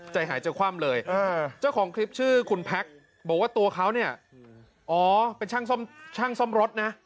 เจ้าของคลิปชื่อคุณแพ็คบอกว่าตัวเขาเนี่ยอ๋อเป็นช่างซ่อมช่างซ่อมรถนะ